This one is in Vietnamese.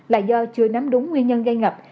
là do chưa nắm đúng nguyên nhân gây ngập